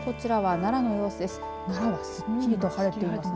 奈良はすっきりと晴れていますね。